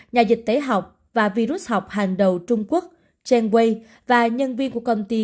nhà dịch tế học và virus học hàng đầu trung quốc chen wei và nhân viên của công ty